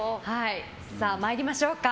参りましょうか。